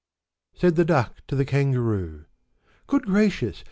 Said the Duck to the Kangaroo, "Good gracious!